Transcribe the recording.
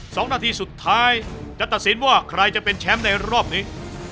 สองนาทีสุดท้ายจะตัดสินว่าใครจะเป็นแชมป์ในรอบนี้